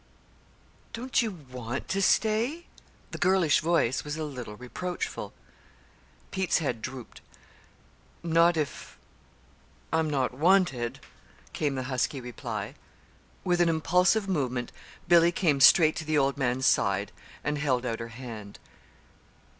"Don't you want to stay?" The girlish voice was a little reproachful. Pete's head drooped. "Not if I'm not wanted," came the husky reply. With an impulsive movement Billy came straight to the old man's side and held out her hand.